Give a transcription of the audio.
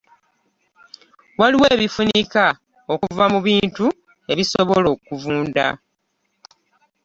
Waliwo ebifunika okuva mu bintu ebisobola okuvunda.